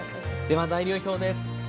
では材料表です。